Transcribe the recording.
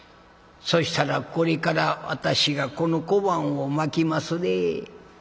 そしたらこれから私がこの小判をまきますね。